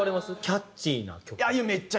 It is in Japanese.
「キャッチーな曲」。